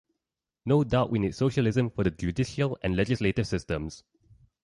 No doubt we need socialism for the judicial and legislative systems.